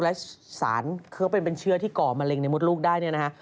และสารเค้าเป็นเชื้อที่ก่อมะเร็งในมดลูกได้